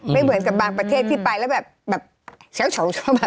ไม่เหมือนกับบางประเทศที่ไปแล้วแบบเช้ามา